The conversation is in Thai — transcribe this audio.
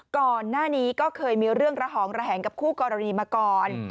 ก่อนหน้านี้ก็เคยมีเรื่องระหองระแหงกับคู่กรณีมาก่อน